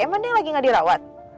emang dia lagi gak dirawat